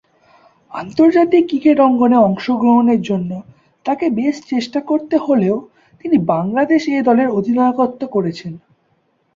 আন্তর্জাতিক ক্রিকেট অঙ্গনে অংশগ্রহণের জন্য তাকে বেশ চেষ্টা করতে হলেও তিনি বাংলাদেশ এ-দলের অধিনায়কত্ব করেছেন।